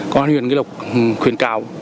công an huyện nghi lộc khuyến khảo đối tượng